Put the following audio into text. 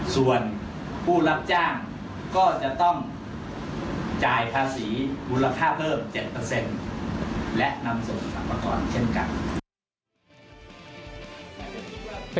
ส่วนผู้รับจ้างก็จะต้องจ่ายภาษีมูลค่าเพิ่ม๗และนำส่งสรรพากรเช่นกัน